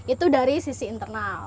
itu dari sisi internal